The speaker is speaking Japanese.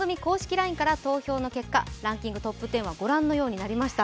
ＬＩＮＥから投票の結果、ランキングトップ１０はご覧のとおりとなりました。